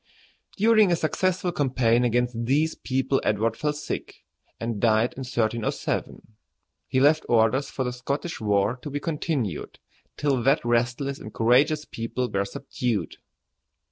During a successful campaign against these people Edward fell sick, and died in 1307. He left orders for the Scottish war to be continued till that restless and courageous people were subdued.